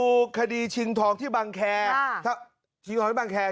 ฮคดีชิงทองที่บางแคร์